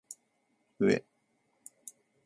うぇ